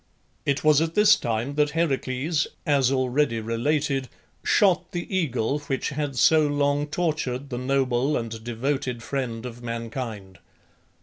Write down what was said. It was at this time that Heracles (as already related) shot the eagle which had so long tortured the noble and devoted friend of mankind.